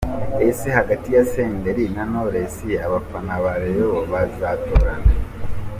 Ese hagati ya Senderi na Knowless abafana ba Rayon bazatora nde.